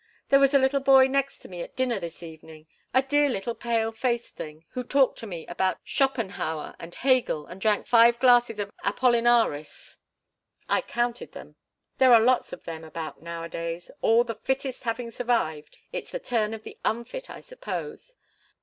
There was a little boy next to me at dinner this evening a dear little pale faced thing, who talked to me about Schopenhauer and Hegel, and drank five glasses of Apollinaris I counted them. There are lots of them about nowadays all the fittest having survived, it's the turn of the unfit, I suppose.